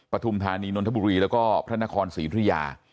ปฐุมธานีนนทบุรีแล้วก็พระนครศรีธุยา